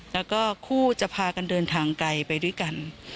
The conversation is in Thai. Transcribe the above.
แล้วก็คู่จะพากันเดินทางไกลไปด้วยกัน